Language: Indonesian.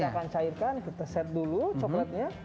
kita akan cairkan kita set dulu coklatnya